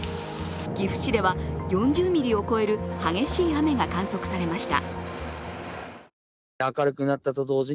岐阜市では４０ミリを超える激しい雨が観測されました。